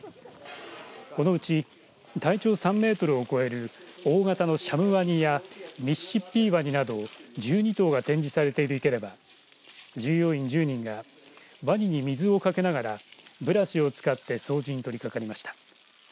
このうち体長３メートルを超える大型のシャムワニやミシシッピーワニなど１２頭が展示されている池では従業員１０人がわにに水をかけながらブラシを使って掃除に取りかかりました。